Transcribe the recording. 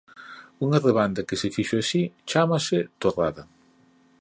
Unha rebanda que se fixo así chámase torrada.